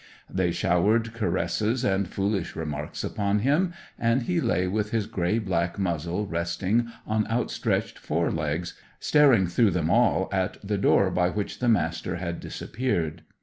They showered caresses and foolish remarks upon him, and he lay with his grey black muzzle resting on outstretched fore legs, staring through them all at the door by which the Master had disappeared.